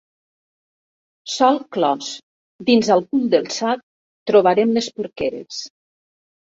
«Solc clos» dins Al cul del sac trobarem les porqueres.